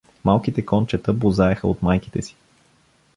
Малките кончета бозаеха от майките си.